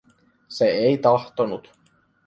Se ei tahtonut.